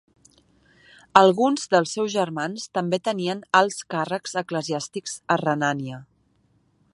Alguns dels seus germans també tenien alts càrrecs eclesiàstics a Renània.